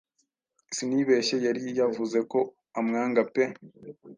Sinibeshye yari yavuze ko amwanga pe.